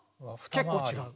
結構違う。